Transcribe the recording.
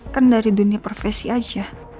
kan dari dunia profesi aja